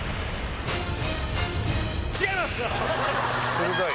鋭い！